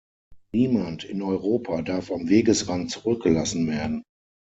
Niemand in Europa darf am Wegesrand zurückgelassen werden.